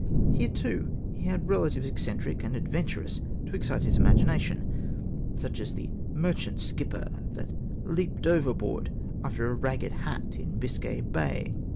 Here, too, he had relatives eccentric and adventurous to excite his imagination, such as the Merchant skipper that leaped overboard After a ragged hat in Biscay Bay.